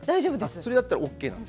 それだったらＯＫなんですね。